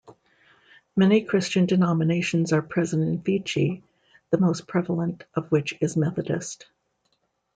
Many Christian denominations are present in Fiji, the most prevalent of which is Methodist.